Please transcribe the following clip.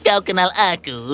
kau kenal aku